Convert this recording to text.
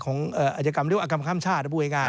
ของอัยกรรมเรียกว่าอักรรมข้ามชาติ